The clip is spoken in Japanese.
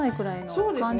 そうですね